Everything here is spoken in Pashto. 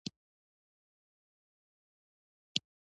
ما ورته وویل چې دا قبر معلوم و.